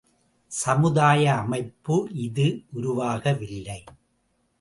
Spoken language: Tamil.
சமுதாய அமைப்பு இது உருவாகவில்லை!